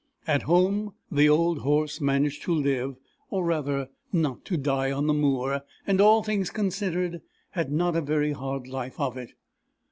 At home, the old horse managed to live, or rather not to die, on the moor, and, all things considered, had not a very hard life of it.